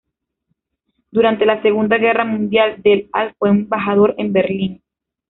Durante la segunda guerra mundial, del al fue embajador en Berlín.